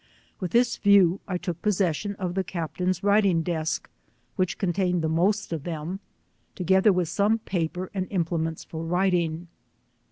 With this view I took possession of the captain's writing desk, which contained the most of them, together with some paper and implements for writing.